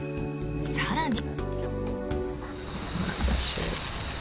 更に。